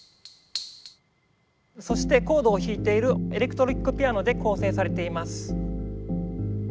そしてコードを弾いているエレクトリックピアノで構成されています。